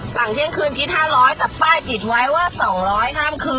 หลังเที่ยงคืนที่๕๐๐แต่ป้ายติดไว้ว่า๒๐ห้ามคืน